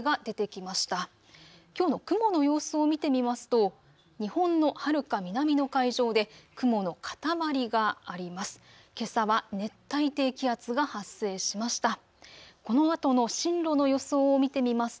きょうの雲の様子を見てみますと日本のはるか南の海上で雲のかたまりがあります。